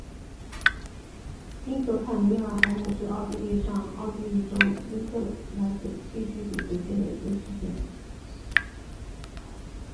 因河畔米尔海姆是奥地利上奥地利州因克赖斯地区里德县的一个市镇。